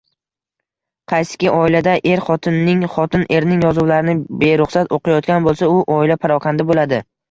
Qaysiki oilada er xotinning, xotin erning yozuvlarini beruxsat oʻqiyotgan boʻlsa, u oila parokanda boʻladi.